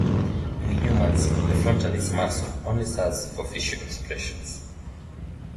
In humans, the frontalis muscle only serves for facial expressions.